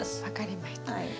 分かりました。